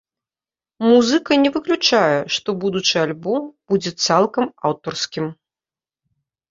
Музыка не выключае, што будучы альбом будзе цалкам аўтарскім.